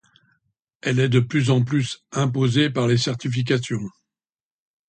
Elle est de plus en plus imposée par les certifications.